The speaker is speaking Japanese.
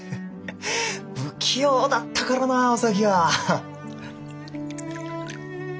不器用だったからなおさきは。